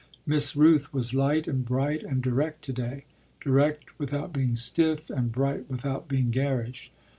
Miss Rooth was light and bright and direct to day direct without being stiff and bright without being garish.